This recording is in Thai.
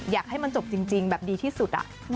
อยากให้มันจบจริงแบบดีที่สุด